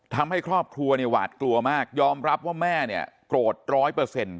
ทำให้ครอบครัวเนี่ยหวาดกลัวมากยอมรับว่าแม่เนี่ยโกรธ๑๐๐